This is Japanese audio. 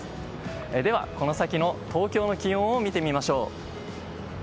ではこの先の東京の気温を見てみましょう。